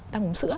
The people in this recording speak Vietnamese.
đang uống sữa